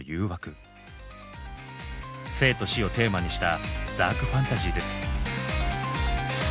生と死をテーマにしたダークファンタジーです。